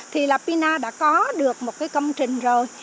thì là pina đã có được một cái công trình rồi